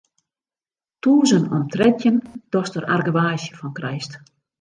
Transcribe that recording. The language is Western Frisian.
Tûzen om trettjin datst der argewaasje fan krijst.